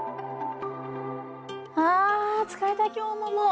ああ疲れた今日ももう。